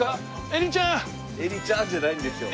「えりちゃん」じゃないんですよ。